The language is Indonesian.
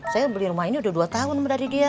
saya beli rumah ini udah dua tahun dari dia